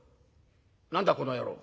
「何だこの野郎。